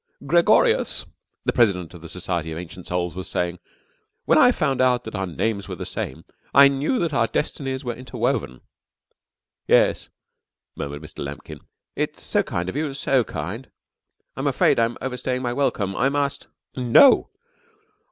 "Gregorius," the President of the Society of Ancient Souls was saying, "when I found that our names were the same I knew that our destinies were interwoven." "Yes," murmured Mr. Lambkin. "It's so kind of you, so kind. But I'm afraid I'm overstaying my welcome. I must " "No.